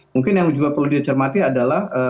mungkin yang juga perlu dicermati adalah